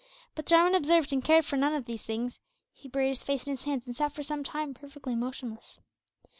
But Jarwin observed and cared for none of these things. He buried his face in his hands, and sat for some time perfectly motionless.